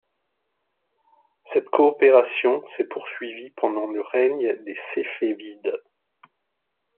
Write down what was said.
Cette coopération s'est poursuivie pendant le règne des Séfévides.